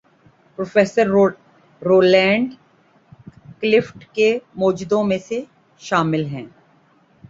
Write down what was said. Professor Roland Clift کے موجدوں میں شامل ہیں۔